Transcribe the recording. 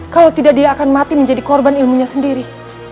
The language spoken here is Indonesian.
kalau tidak dia akan mati menjadi korban ilmunya sendiri